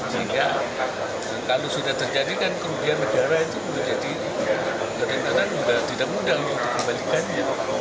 sehingga kalau sudah terjadi kan kerugian negara itu menjadi kerentanan juga tidak mudah untuk dikembalikannya